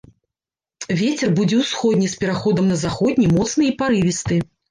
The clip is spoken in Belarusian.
Вецер будзе ўсходні з пераходам на заходні, моцны і парывісты.